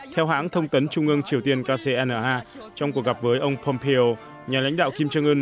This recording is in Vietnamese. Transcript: theo hãng thông tấn trung ương triều tiên kcna trong cuộc gặp với ông pompeo nhà lãnh đạo kim trương ưn